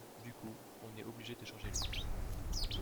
Du coup, on est obligé de changer le titre.